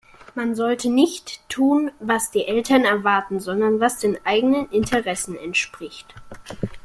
Man sollte nicht tun, was die Eltern erwarten, sondern was den eigenen Interessen entspricht.